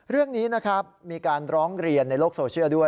เรื่องนี้นะครับมีการร้องเรียนในโลกโซเชียลด้วย